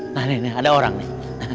nah ini nih ada orang nih